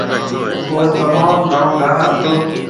اوٿ تموم گھڻو گاھا ھتو۔